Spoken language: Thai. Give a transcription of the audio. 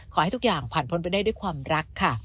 ขอให้ทุกอย่างผ่านพ้นไปได้ด้วยความรักค่ะ